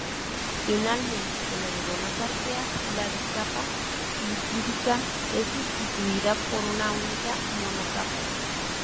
Finalmente, en algunas arqueas la bicapa lipídica es sustituida por una única monocapa.